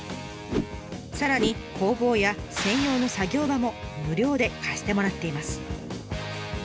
さらに工房や専用の作業場も無料で貸してもらっています。